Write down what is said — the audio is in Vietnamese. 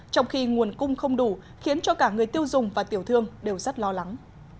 trong khi nguồn cung không đủ khiến cho cả người tiêu dùng và tiểu thương đều rất lo lắng